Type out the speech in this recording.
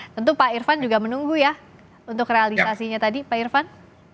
tentu pak irfan juga menunggu ya untuk realisasinya tadi pak irfan